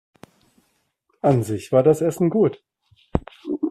An sich war das Essen gut.